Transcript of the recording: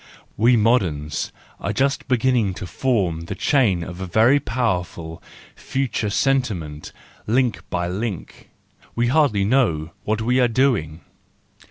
We moderns are just beginning to form the chain of a very powerful, future senti¬ ment, link by link,—we hardly know what we are doing.